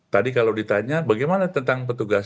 tadi kalau ditanya bagaimana tentang petugas